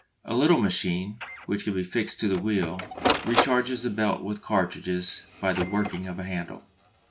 A little machine, which can be fixed to the wheel, recharges the belts with cartridges by the working of a handle.